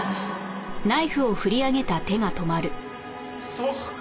そうか！